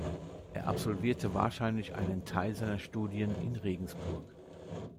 Er absolvierte wahrscheinlich einen Teil seiner Studien in Regensburg.